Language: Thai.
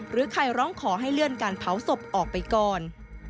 หรือใครร้องขอให้เลื่อนการเผาศพออกไปก่อน